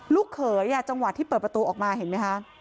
ลูกเขยจังหวะที่เปิดประตูออกมาเห็นไหมคะ